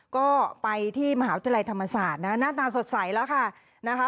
ก็ไปที่มหาวิทยาลัยธรรมศาสตร์นะหน้าตาสดใสแล้วค่ะนะคะ